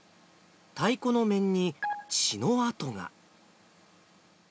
太鼓の面に、血の跡が。